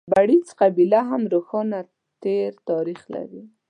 بړېڅ قبیله هم روښانه تېر تاریخ لري.